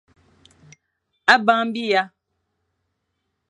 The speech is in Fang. A bang biya.